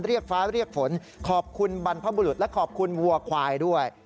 เรียกฟ้าเรียกฝนขอบคุณบรรพบุรุษและขอบคุณวัวควายด้วย